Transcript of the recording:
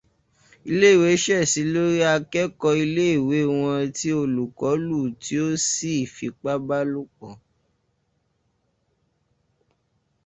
Ilé-ìwé ṣẹ̀sí lórí akẹ́kọ̀ọ́ iléèwé wọn tí olúkọ́ lù tí ó sì fipábálòpọ̀.